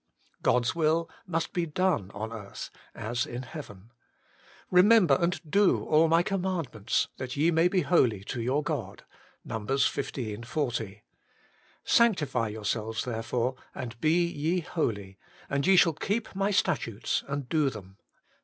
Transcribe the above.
God's will must be done on earth, as in heaven. ' Remember and do all my com mandments, that ye may be holy to your God* (Num. xv. 40). ' Sanctify yourselves therefore, and be ye holy ; and ye shall keep my statutes and do them.